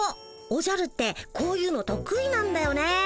おじゃるってこういうのとく意なんだよね。